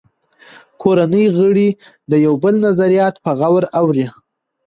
کورنۍ غړي د یو بل نظریات په غور اوري